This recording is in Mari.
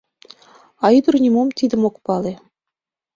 А ӱдыр нимом тидым ок пале.